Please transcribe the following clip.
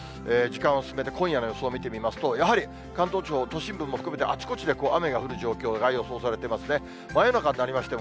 時間を進めて、今夜の予想を見てみますと、やはり関東地方、都心部も含めて、あちこちで雨が降る状況が予想されてますね。